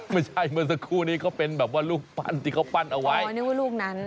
เมื่อสักครู่นี้เขาเป็นแบบว่ารูปปั้นที่เขาปั้นเอาไว้อ๋อนึกว่าลูกนั้น